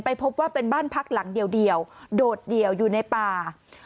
พบว่าเป็นบ้านพักหลังเดียวโดดเดี่ยวอยู่ในป่า